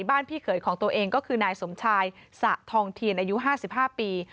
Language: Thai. พี่เขยของตัวเองก็คือนายสมชายสะทองเทียนอายุ๕๕ปี